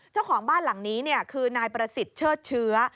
เจ้าของบ้านหลังนี้คือนายประสิทธิ์เชิดเชื้อ